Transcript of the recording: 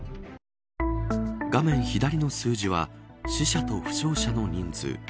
画面左の数字は死者と負傷者の人数。